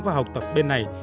và học tập bên này